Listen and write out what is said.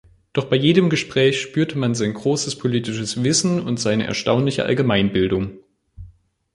Doch bei jedem Gespräch spürte man sein großes politisches Wissen und seine erstaunliche Allgemeinbildung“.